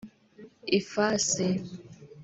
ifasi